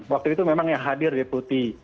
waktu itu memang yang hadir deputi